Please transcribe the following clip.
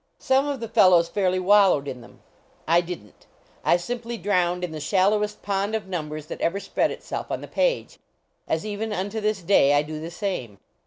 Some of the fellows fairly wallowed in them. I didn t. I simply drowned in the shallowest pond of numbers that ever spread itself on the page. As even unto this day I do the same.